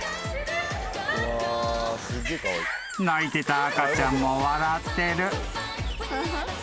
［泣いてた赤ちゃんも笑ってる］